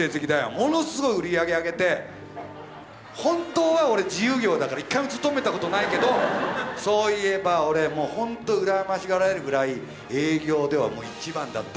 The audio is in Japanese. ものすごい売り上げあげて本当は俺自由業だから一回も勤めたことないけどそういえば俺もうほんと羨ましがられるぐらい営業ではもう１番だった。